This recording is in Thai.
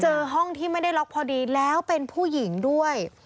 ห้องที่ไม่ได้ล็อกพอดีแล้วเป็นผู้หญิงด้วย